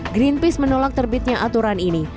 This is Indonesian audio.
greenpeace menolak terbitnya aturan ini